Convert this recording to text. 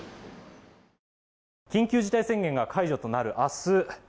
緊急事態宣言が解除となる明日